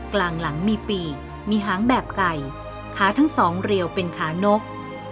กลางหลังมีปีกมีหางแบบไก่ขาทั้งสองเรียวเป็นขานก